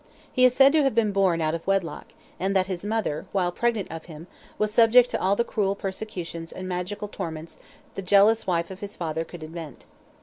He is said to have been born out of wedlock, and that his mother, while pregnant of him, was subject to all the cruel persecutions and magical torments the jealous wife of his father could invent.